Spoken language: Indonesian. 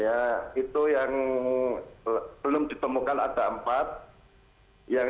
yang satu lagi belum ditemukan hanyut juga belum ditemukan